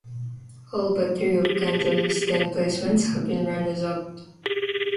All but three of Kansas's ten placements have been runners-up.